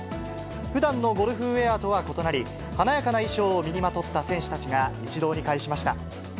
ふだんのゴルフウエアとは異なり、華やかな衣装を身にまとった選手たちが一堂に会しました。